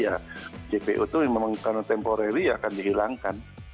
ya jpo itu memang karena temporary ya akan dihilangkan